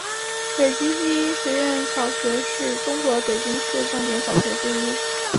北京第一实验小学是中国北京市重点小学之一。